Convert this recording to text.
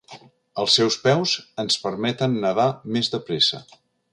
Els seus peus ens permeten nedar més de pressa.